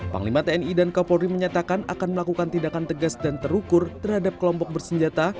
panglima tni dan kapolri menyatakan akan melakukan tindakan tegas dan terukur terhadap kelompok bersenjata